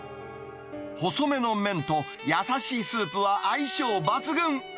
細めの麺と優しいスープは相性抜群。